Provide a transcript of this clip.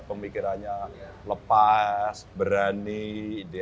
pemikirannya lepas berani idealis gitu